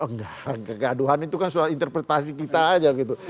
enggak kegaduhan itu kan soal interpretasi kita aja gitu